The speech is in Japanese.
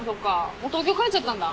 もう東京帰っちゃったんだ。